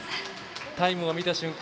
タイムを見た瞬間